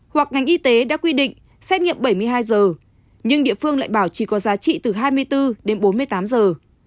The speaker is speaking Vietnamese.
hoặc ngành y tế đã quy định xét nghiệm bảy mươi hai giờ nhưng địa phương lại bảo trì có giá trị từ hai mươi bốn đến bốn mươi tám giờ